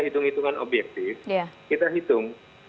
hitung hitungan objektif kita hitung